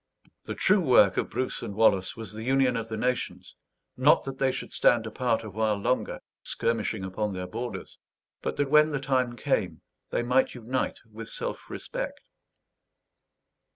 The true work of Bruce and Wallace was the union of the nations; not that they should stand apart a while longer, skirmishing upon their borders; but that, when the time came, they might unite with self respect.